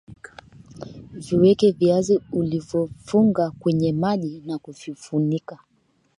Viweke viazi ulivyofunga kwenye maji na kuvifunika